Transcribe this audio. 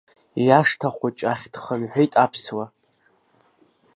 Иашҭа хәыҷы ахь дхынҳәит Аԥсуа.